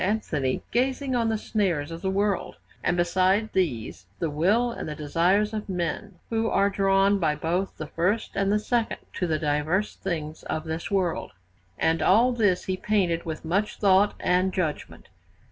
Anthony gazing on the snares of the world, and beside these the will and the desires of men, who are drawn by both the first and the second to the diverse things of this world; and all this he painted with much thought and judgment.